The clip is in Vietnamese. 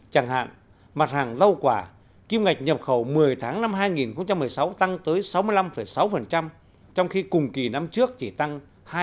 chẳng hạn mặt hàng rau quả kim ngạch nhập khẩu một mươi tháng năm hai nghìn một mươi sáu tăng tới sáu mươi năm sáu trong khi cùng kỳ năm trước chỉ tăng hai